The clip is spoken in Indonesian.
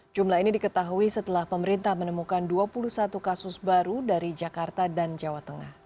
jumlah ini diketahui setelah pemerintah menemukan dua puluh satu kasus baru dari jakarta dan jawa tengah